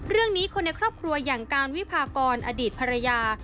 เรื่องนี้คนในครอบครัวอย่างการวิพากรอดีตภรรยา